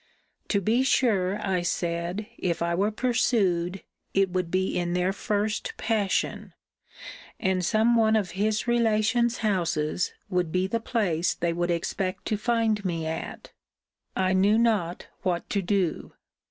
To be sure, I said, if I were pursued, it would be in their first passion; and some one of his relations' houses would be the place they would expect to find me at I knew not what to do.